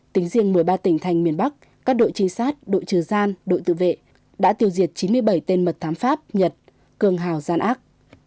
tính riêng một mươi ba tỉnh thành miền bắc các đội trinh sát đội trừ gian đội tự vệ đã tiêu diệt chín mươi bảy tên mật thám pháp nhật cường hào gian ác